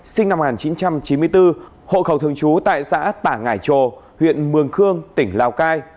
sinh năm một nghìn chín trăm chín mươi bốn hộ khẩu thường trú tại xã tả ngải trồ huyện mường khương tỉnh lào cai